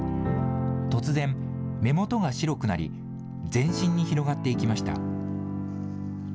突然、目元が白くなり、全身に広がっていきました。